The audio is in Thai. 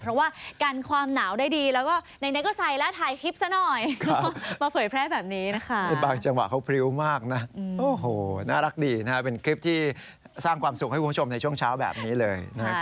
เพราะว่ากันความหนาวได้ดีแล้วก็ในในก็ใส่แล้วถ่ายคลิปซะหน่อย